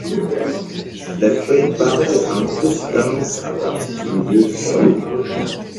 Les feuilles partent en touffes denses à partir du niveau du sol.